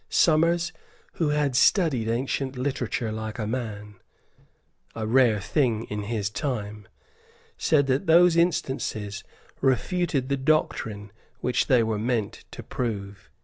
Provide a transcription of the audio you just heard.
Somers, who had studied ancient literature like a man, a rare thing in his time, said that those instances refuted the doctrine which they were meant to prove.